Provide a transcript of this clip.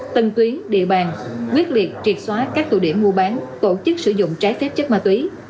tân tuyến địa bàn quyết liệt triệt xóa các tụ điểm mua bán tổ chức sử dụng trái phép chất ma túy